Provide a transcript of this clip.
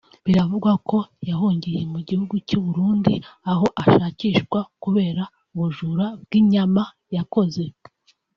biravugwa ko yahungiye mu gihugu cy’u Burundi aho ashakishwa kubera ubujuru bw’inyama yakoze